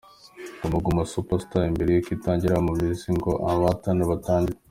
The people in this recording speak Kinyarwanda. Guma Guma Super Star mbere yuko itangira mu mizi ngo abahatana batangire.